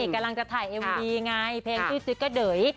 กำลังจะถ่ายเอ็มบีไงเพลงจื๊กกระเด๋ย